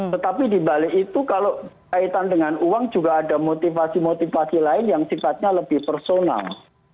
tetapi dibalik itu kalau kaitan dengan uang juga ada motivasi motivasi lain yang sifatnya lebih personal